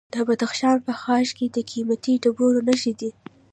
د بدخشان په خاش کې د قیمتي ډبرو نښې دي.